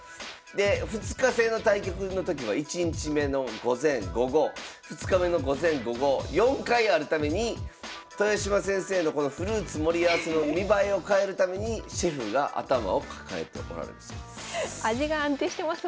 で２日制の対局の時は１日目の午前午後２日目の午前午後４回あるために豊島先生のこのフルーツ盛り合わせの見栄えを変えるためにシェフが頭を抱えておられるそうです。